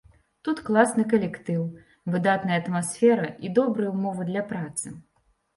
Тут класны калектыў, выдатная атмасфера і добрыя ўмовы для працы.